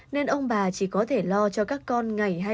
nên ông bà chỉ có thể lo cho các con ngày hai bữa cơm